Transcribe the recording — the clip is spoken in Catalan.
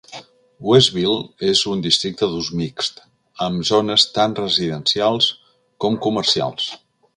Westville és un districte d'ús mixt, amb zones tant residencials com comercials.